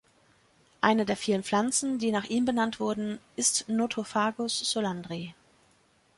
Eine der vielen Pflanzen, die nach ihm benannt wurden, ist Nothofagus solandri.